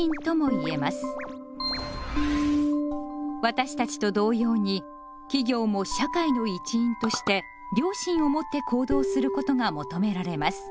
私たちと同様に企業も社会の一員として良心を持って行動することが求められます。